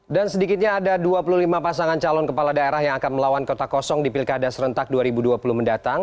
dan sedikitnya ada dua puluh lima pasangan calon kepala daerah yang akan melawan kota kosong di pilkada serentak dua ribu dua puluh mendatang